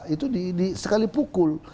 itu di sekali pukul